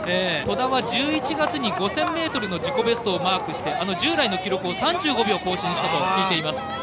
戸田は１１月に５０００ｍの自己ベストをマークして自身の記録を３５秒更新したと聞いています。